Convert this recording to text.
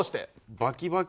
バキバキ